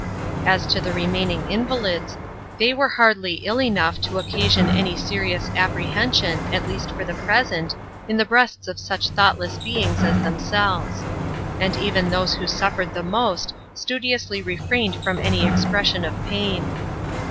As to the remaining invalids^ thej were hardly ill enough to oocasion any serioua apprehension, at least for the {uresent^ in the breasts of such thoughtless beings as themselves. And even those who suffered the most, studiouslj refrained fnm any expression of pain.